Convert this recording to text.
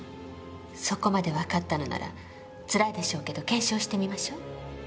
そこまで分かったのならつらいでしょうけど検証してみましょう。